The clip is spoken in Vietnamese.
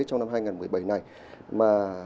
trong năm hai nghìn một mươi bảy này mà